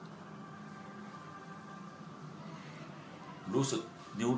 รู้สึก